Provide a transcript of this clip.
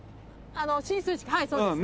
進水式はいそうです。